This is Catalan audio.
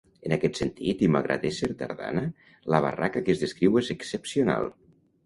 En aquest sentit i malgrat ésser tardana, la barraca que es descriu és excepcional.